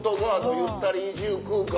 ゆったり居住空間。